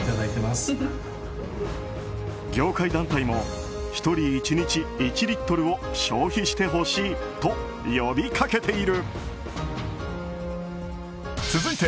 業界団体も１人１日１リットルを消費してほしいと呼びかけている。